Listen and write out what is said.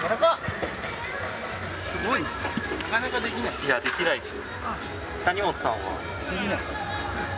もう・いやできないです